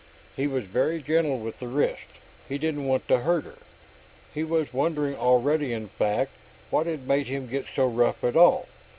He was very gentle with the wrist. He didn't want to hurt her; he was wondering already, in fact, what had made him get so rough at all.